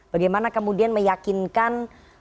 bagaimana kemudian meyakinkan